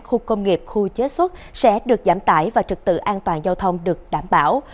khu công nghiệp khu chế xuất sẽ được giảm tải và trực tự an toàn giao thông được đảm bảo